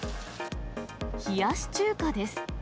冷やし中華です。